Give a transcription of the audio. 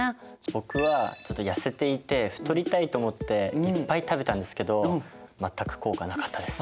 僕はちょっと痩せていて太りたいと思っていっぱい食べたんですけどまったく効果なかったです。